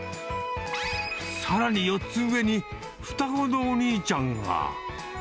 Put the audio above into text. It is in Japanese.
さらに、４つ上に双子のお兄ちゃんが。